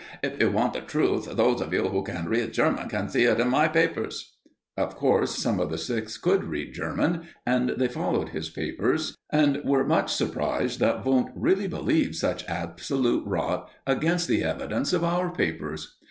"If you want the truth, those of you who can read German can see it in my papers." Of course, some of the Sixth could read German, and they borrowed his papers, and were much surprised that Wundt really believed such absolute rot against the evidence of our papers.